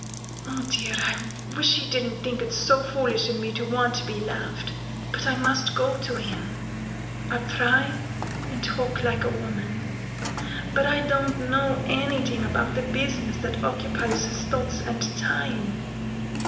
"Oh, dear! I wish he didn't think it so foolish in me to want to be loved! But I must go to him. I'll try and talk like a woman, but I don't know any thing about the business that occupies his thoughts and time.